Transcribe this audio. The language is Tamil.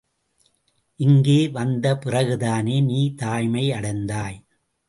இங்கே வந்த பிறகுதானே நீ தாய்மை அடைந்தாய்.